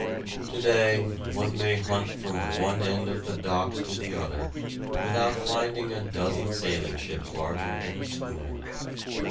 To day one may hunt from one end of the docks to the other without finding a dozen sailing ships larger than a schooner.